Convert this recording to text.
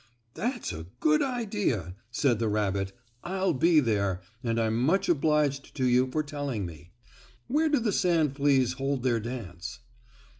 "That's a good idea," said the rabbit. "I'll be there, and I'm much obliged to you for telling me. Where do the sand fleas hold their dance?"